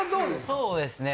そうですね